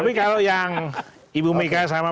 tapi kalau yang ibu mega sama